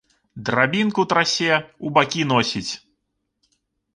Драбінку трасе, у бакі носіць.